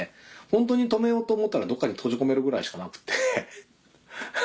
本当に止めようと思ったらどこかに閉じ込めるぐらいしかなくて。